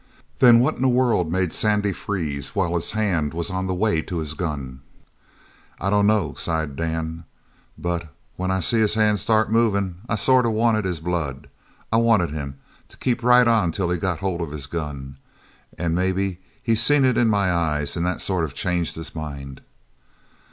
"Then what in the world made Sandy freeze while his hand was on the way to his gun?" "I dunno," sighed Dan, "but when I see his hand start movin' I sort of wanted his blood I wanted him to keep right on till he got hold of his gun and maybe he seen it in my eyes an' that sort of changed his mind."